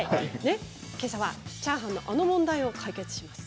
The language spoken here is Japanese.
今朝はチャーハンのあの問題を解決します。